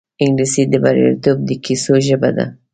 انګلیسي د بریالیتوب د کیسو ژبه ده